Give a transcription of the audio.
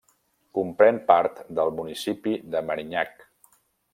Comprèn part del municipi de Merinhac.